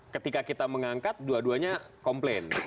ketika kita mengangkat dua duanya komplain